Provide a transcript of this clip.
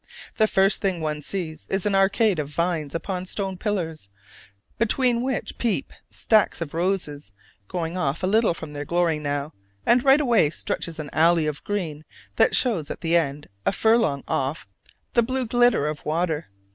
The first thing one sees is an arcade of vines upon stone pillars, between which peep stacks of roses, going off a little from their glory now, and right away stretches an alley of green, that shows at the end, a furlong off, the blue glitter of water.